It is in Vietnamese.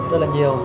rất là nhiều